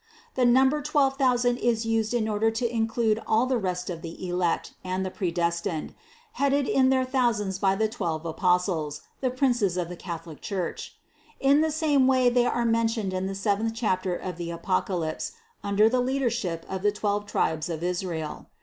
The number twelve thousand is used in order to include all the rest of the elect and the predestined, headed in their thousands by the twelve Apostles, the princes of the Catholic Church. In the same way they are mentioned in the seventh chapter of the Apocalypse under the leadership of the twelve tribes of Israel.